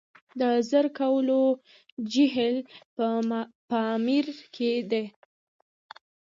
د زرکول جهیل په پامیر کې دی